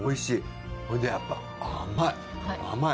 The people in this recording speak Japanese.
甘い。